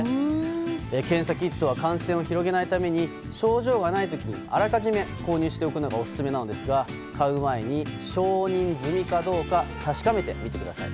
検査キットは感染を広げないために症状がない時にあらかじめ購入しておくのがオススメですが買う前に承認済みかどうか確かめてみてください。